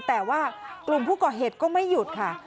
แต่ว่ากลุ่มผู้ก่อเหตุก็ไม่หยุดค่ะ